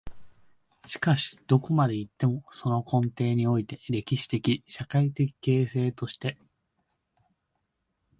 しかしどこまで行っても、その根底において、歴史的・社会的形成として、